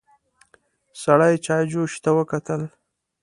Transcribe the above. سړي چايجوشې ته وکتل.